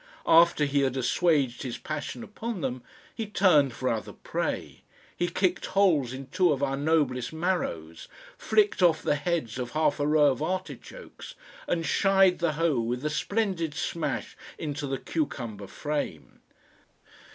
After he had assuaged his passion upon them, he turned for other prey; he kicked holes in two of our noblest marrows, flicked off the heads of half a row of artichokes, and shied the hoe with a splendid smash into the cucumber frame.